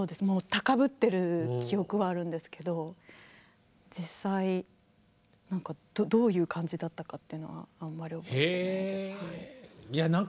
もう高ぶってる記憶はあるんですけど実際何かどういう感じだったかというのはあんまり覚えてないです。